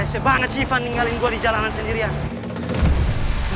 wese banget sih ivan ninggalin gue di jalanan sendirian